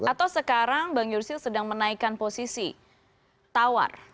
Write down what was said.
atau sekarang bang yusril sedang menaikkan posisi tawar